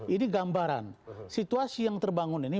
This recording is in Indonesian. ini gambaran situasi yang terbangun ini